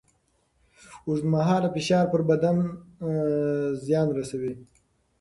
اوږدمهاله فشار پر بدن زیان رسوي.